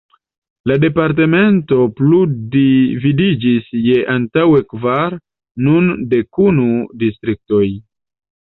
La departemento plu dividiĝis je antaŭe kvar, nun dek unu distriktoj.